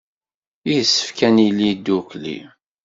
Yessefk ad nili ddukkli.